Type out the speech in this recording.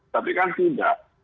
tapi kan tidak